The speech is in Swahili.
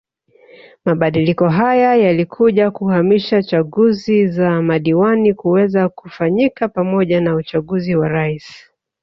Mabadiliko haya yalikuja kuhamisha chaguzi za madiwani kuweza kufanyika pamoja na uchaguzi wa Rais